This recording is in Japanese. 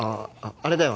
あれだよ